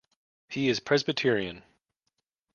He is Presbyterian.